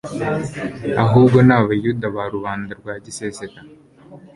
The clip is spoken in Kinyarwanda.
ahubwo n'abayuda ba rubanda rwa giseseka,